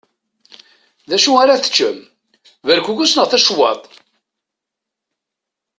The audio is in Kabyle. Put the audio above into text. D acu ar ad teččem? Berkukes neɣ tacewwaḍṭ?